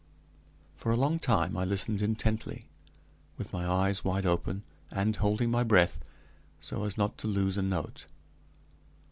For a long time I listened intently, with my eyes wide open, and holding my breath, so as not to lose a note.